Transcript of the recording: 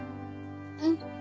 うん。